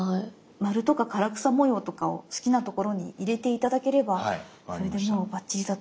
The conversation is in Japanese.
丸とか唐草模様とかを好きなところに入れて頂ければそれでもうばっちりだと。